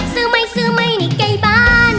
ซื้อไม่ซื้อไม่หนีไก่บ้าน